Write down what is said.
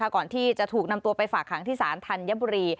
ก่อนที่จะถูกนำตัวไปฝากหางที่ศาลธัญบุรี